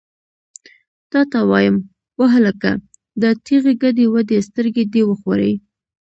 تا ته وایم، وهلکه! دا ټېغې ګډې وډې سترګې دې وخورې!